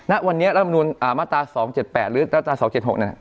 ณวันนี้รัฐมนุนมาตรา๒๗๘หรือมาตรา๒๗๖เนี่ย